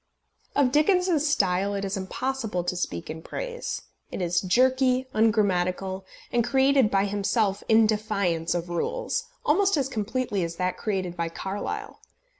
Of Dickens's style it is impossible to speak in praise. It is jerky, ungrammatical, and created by himself in defiance of rules almost as completely as that created by Carlyle.